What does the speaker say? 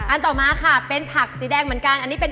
อันต่อมาต้องผักสีแดงเหมือนกัน